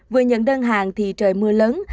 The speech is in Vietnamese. vừa nhận đơn hàng thì trời mưa lớn